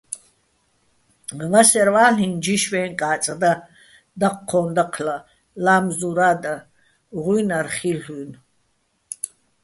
ვასერვ ა́ლ'იჼ: ჯიშვეჼ კა́წ და, დაჴჴოჼ დაჴლა, ლა́მზურა́ და, ღუჲნარ ხილ'ო̆-აჲნო̆.